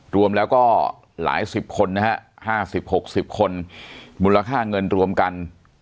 รวมแล้วก็หลายสิบคนนะฮะ๕๐๖๐คนมูลค่าเงินรวมกัน